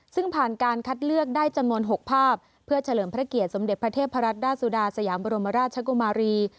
ซึ่งผ่านการคัดเลือกได้จำนวน๖ภาพเพื่อเฉลิมพระเกียรติสมเด็จพระเทพรัตนราชสุดาสยามบรมราชกุมารี